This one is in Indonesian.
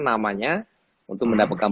namanya untuk mendapatkan